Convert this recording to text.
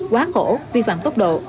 quá khổ vi phạm tốc độ